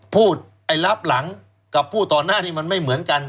ไอ้รับหลังกับพูดต่อหน้าที่มันไม่เหมือนกัน